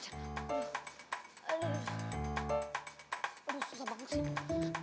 aduh susah banget sih